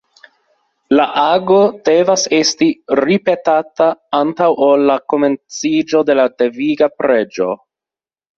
La ago devas esti ripetata antaŭ ol la komenciĝo de la deviga preĝo.